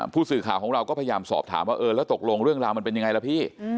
ผู้สื่อข่าวของเราก็พยายามสอบถามว่าเออแล้วตกลงเรื่องราวมันเป็นยังไงล่ะพี่